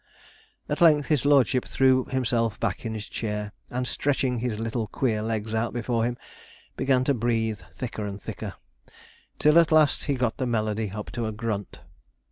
At length his lordship threw himself back in his chair, and stretching his little queer legs out before him, began to breathe thicker and thicker, till at last he got the melody up to a grunt.